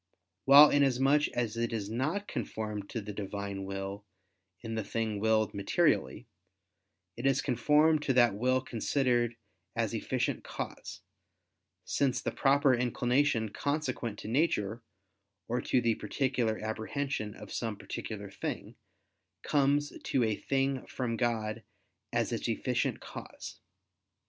While, inasmuch as it is not conformed to the Divine will in the thing willed materially, it is conformed to that will considered as efficient cause; since the proper inclination consequent to nature, or to the particular apprehension of some particular thing, comes to a thing from God as its efficient cause.